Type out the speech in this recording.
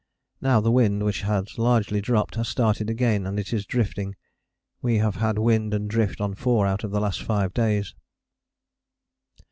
Now the wind, which had largely dropped, has started again and it is drifting. We have had wind and drift on four out of the last five days.